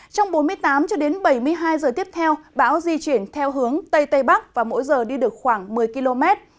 trong bốn mươi tám bảy mươi hai h tiếp theo báo di chuyển theo hướng tây tây bắc và mỗi giờ đi được khoảng một mươi km